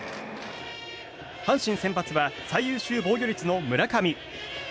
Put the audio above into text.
阪神先発は最優秀防御率の村上。